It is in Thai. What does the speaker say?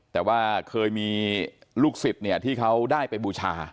แต่ว่าเคยมีลูกศิษย์ที่เขาได้ไปบูชา